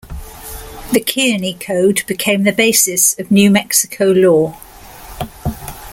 The Kearny Code became the basis of New Mexico law.